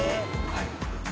はい。